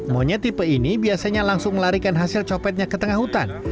monyet tipe ini biasanya langsung melarikan hasil copetnya ke tengah hutan